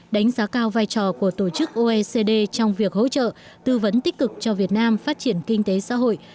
đánh giá cao vai trò của tổ chức oecd trong việc hỗ trợ tư vấn tích cực cho việt nam phát triển kinh tế xã hội